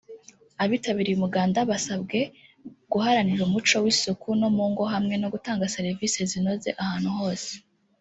Abitabiriye umuganda basabwe guharanira umuco w’isuku no mungo hamwe no gutanga serivise zinoze ahantu hose